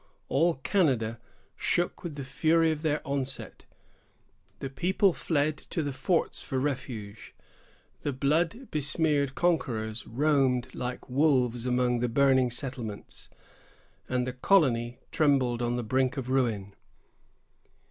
All Canada shook with the fury of their onset; the people fled to the forts for refuge; the blood besmeared conquerors roamed like wolves among the burning settlements, and the colony trembled on the brink of ruin.